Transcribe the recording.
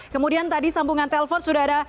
kemudian tadi sambungan telepon sudah ada